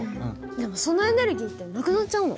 でもそのエネルギーってなくなっちゃうの？